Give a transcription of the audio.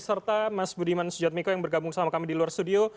serta mas budiman sujadmiko yang bergabung sama kami di luar studio